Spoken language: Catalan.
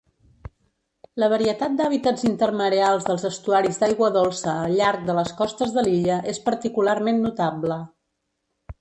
La varietat d'hàbitats intermareals dels estuaris d'aigua dolça al llarg de les costes de l'illa és particularment notable.